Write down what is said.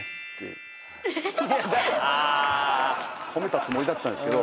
え⁉褒めたつもりだったんですけど。